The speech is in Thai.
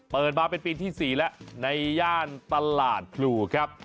เปิดมาเป็นปีที่๔แล้วในย่านตลาดพลูครับ